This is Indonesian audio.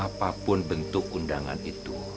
apapun bentuk undangan itu